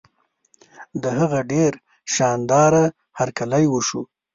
د هغه ډېر شان داره هرکلی وشو.